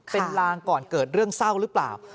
เป็นลางก่อนเกิดเรื่องเศร้าหรือเปล่า